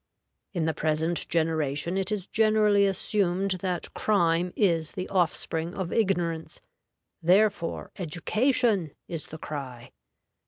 In the present generation it is generally assumed that crime is the offspring of ignorance, therefore Education! is the cry.